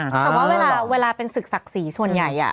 แต่ว่าเวลาเป็นศึกศักดิ์ศรีส่วนใหญ่